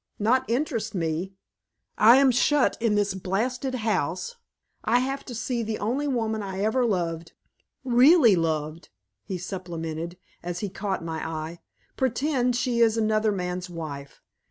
"Not interest me! I am shut in this blasted house; I have to see the only woman I ever loved REALLY loved," he supplemented, as he caught my eye, "pretend she is another man's wife.